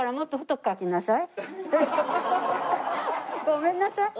ごめんなさい。